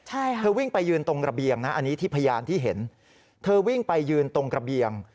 ใช่ค่ะเธอวิ่งไปยืนตรงระเบียงนะอันนี้ที่พยานที่เห็นเธอวิ่งไปยืนตรงระเบียง